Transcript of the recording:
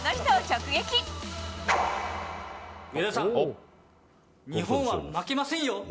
上田さん、日本は負けませんよ。